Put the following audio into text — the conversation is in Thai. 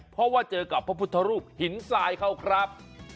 เพราะว่าเจอกับพระพุทธรูปหินทรายเขาครับ